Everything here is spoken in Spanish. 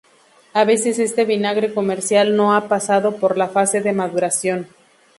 A veces este vinagre comercial no ha pasado por la fase de maduración.